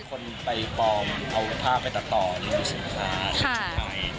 คนไปปลอมเอาผ้าไปตัดต่อหรือสินค้าที่สุดท้าย